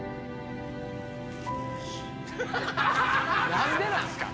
何でなんすか！